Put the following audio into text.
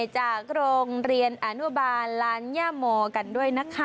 จากโรงเรียนอนุบาลลานย่าโมกันด้วยนะคะ